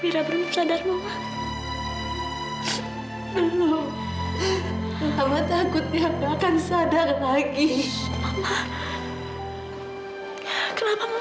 sampai jumpa di video selanjutnya